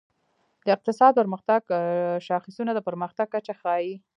د اقتصادي پرمختګ شاخصونه د پرمختګ کچه ښيي.